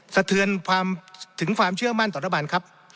สะเทือนถึงความเชื่อมั่นตรฐบาลครับ